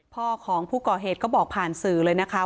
พ่อของผู้ก่อเหตุก็บอกผ่านสื่อเลยนะคะ